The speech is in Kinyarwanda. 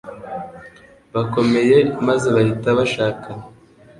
bakomeye maze bahita bashakana